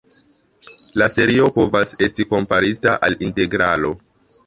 La serio povas esti komparita al integralo.